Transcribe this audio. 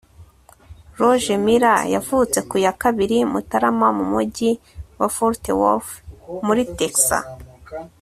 Roger Miller yavutse ku ya kabiri Mutarama mu mujyi wa Fort Worth muri Texas